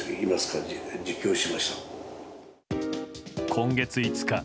今月５日。